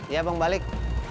iya bang balik